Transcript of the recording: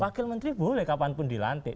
wakil menteri boleh kapanpun dilantik